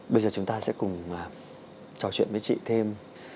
bây giờ chúng ta sẽ cùng trò chuyện với chị thêm